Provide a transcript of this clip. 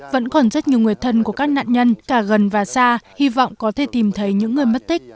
vẫn còn rất nhiều người thân của các nạn nhân cả gần và xa hy vọng có thể tìm thấy những người mất tích